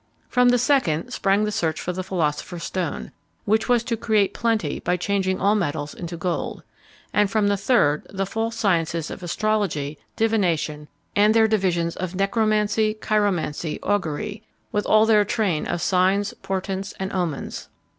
From the second sprang the search for the philosopher's stone, which was to create plenty by changing all metals into gold; and from the third, the false sciences of astrology, divination, and their divisions of necromancy, chiromancy, augury, with all their train of signs, portents, and omens.